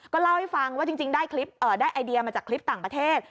เล่าให้ฟังว่าจริงได้ไอเดียมาจากคลิปต่างประเทศ